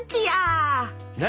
何？